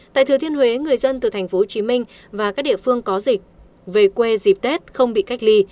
tại thừa thiên huế người dân từ tp hcm và các địa phương có dịch về quê dịp tết không bị cách ly